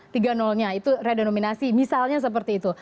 tiga nya itu redenominasi misalnya seperti itu